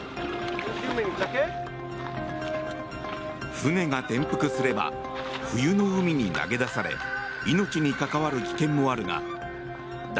船が転覆すれば冬の海に投げ出され命に関わる危険もあるが誰